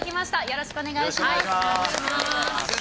よろしくお願いします。